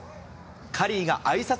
カリーがあいさつ